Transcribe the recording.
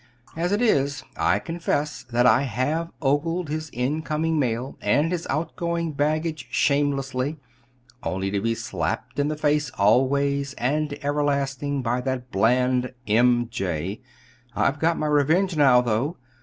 As it is, I confess that I have ogled his incoming mail and his outgoing baggage shamelessly, only to be slapped in the face always and everlastingly by that bland 'M. J.' I've got my revenge, now, though.